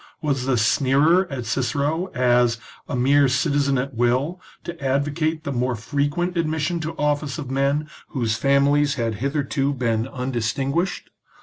Was the sneerer at Cicero as " a mere citizen at will," to advocate the more frequent admission to office of men whose families had hitherto been undistinguished